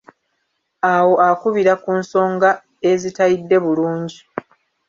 Awo akubira ku nsonga ezitayidde bulungi.